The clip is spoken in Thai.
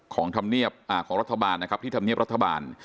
ของทำเนียบอ่าของรัฐบาลนะครับที่ทำเนียบรัฐบาล